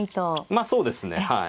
まあそうですねはい。